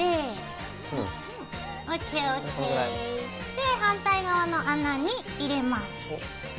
で反対側の穴に入れます。